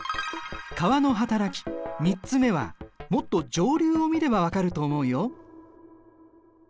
川のはたらき３つ目はもっと上流を見れば分かると思うよ。